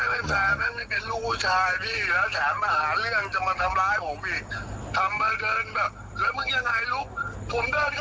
แล้วมึงยังไงลุกผมเดินเข้ามาเฉยด้วยนะพี่